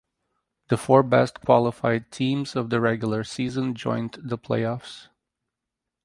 The four best qualified teams of the regular season joined the playoffs.